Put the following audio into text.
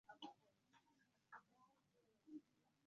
منزلي كان خندقاً